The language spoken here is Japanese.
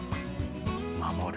守る。